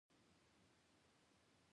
له بل پلوه پوهېږو چې پانګه وده کوي